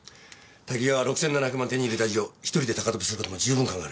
多岐川は６７００万手に入れた以上１人で高飛びする事も十分考えられる。